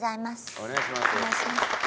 お願いします。